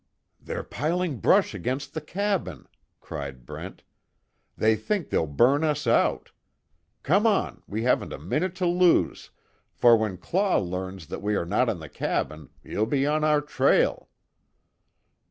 "They're piling brush against the cabin," cried Brent. "They think they'll burn us out. Come on, we haven't a minute to lose, for when Claw learns that we are not in the cabin, he'll be on our trail."